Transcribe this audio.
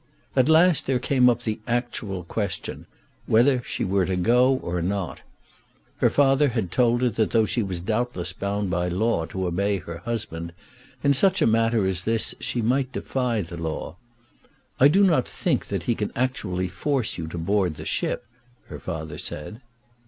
At last there came up the actual question, whether she were to go or not. Her father told her that though she was doubtless bound by law to obey her husband, in such a matter as this she might defy the law. "I do not think that he can actually force you on board the ship," her father said.